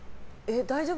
大丈夫？